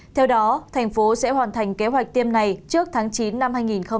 theo đó thành phố sẽ hoàn thành kế hoạch tiêm này trước tháng chín năm hai nghìn hai mươi